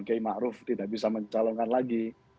gai ma'ruf tidak bisa mencalonkan lagi